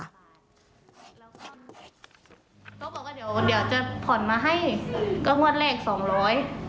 โต๊ะบอกว่าเดี๋ยวจะผ่อนมาให้ก็งวดแรก๒๐๐บาท